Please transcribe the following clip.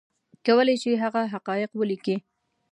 کولی شي هغه حقایق ولیکي